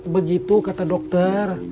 begitu kata dokter